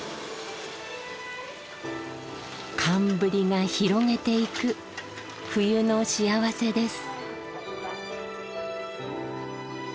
寒ブリが広げていく冬のしあわせです。